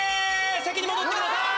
席に戻ってください。